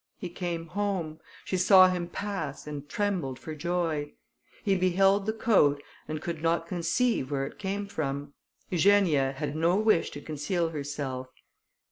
He came home; she saw him pass, and trembled for joy. He beheld the coat, and could not conceive where it came from. Eugenia had no wish to conceal herself.